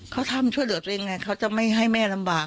เขาทำช่วยเหลือตัวเองไงเขาจะไม่ให้แม่ลำบาก